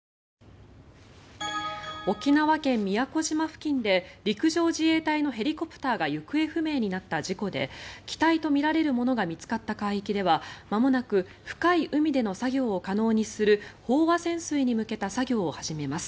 沖縄県・宮古島付近で陸上自衛隊のヘリコプターが行方不明になった事故で機体とみられるものが見つかった海域ではまもなく深い海での作業を可能にする飽和潜水に向けた作業を始めます。